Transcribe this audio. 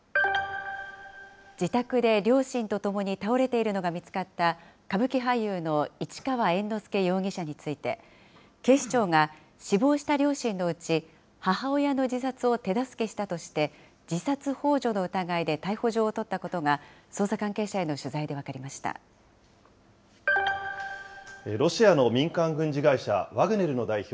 自宅で両親とともに倒れているのが見つかった、歌舞伎俳優の市川猿之助容疑者について、警視庁が死亡した両親のうち母親の自殺を手助けしたとして、自殺ほう助の疑いで逮捕状を取ったことが捜査関係者への取材で分ロシアの民間軍事会社、ワグネルの代表